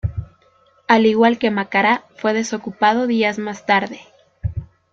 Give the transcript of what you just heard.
Al igual que Macará, fue desocupado días más tarde.